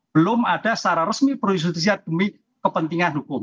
belum ada secara resmi pro justitusial demi kepentingan hukum